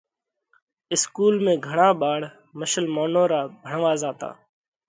اِسڪُول ۾ گھڻا ٻاۯ مشلمونَون را ڀڻوا زاتا۔